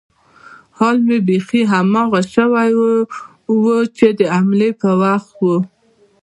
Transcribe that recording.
حال مې بيخي هماغه شى و چې د حملې پر وخت و.